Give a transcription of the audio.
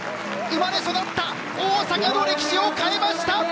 生まれ育った大阪の歴史を変えました！